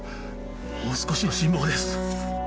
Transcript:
もう少しの辛抱です